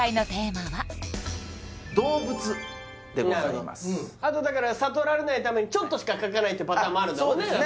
動物でございますなるほどうんあとだから悟られないためにちょっとしか描かないってパターンもあるんだもんね？